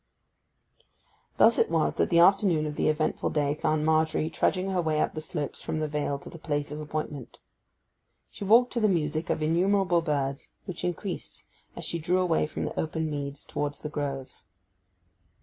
Thus it was that the afternoon of the eventful day found Margery trudging her way up the slopes from the vale to the place of appointment. She walked to the music of innumerable birds, which increased as she drew away from the open meads towards the groves.